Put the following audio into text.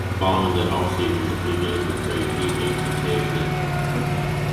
Following that off-season, the Blue Jays would trade Kielty for Ted Lilly.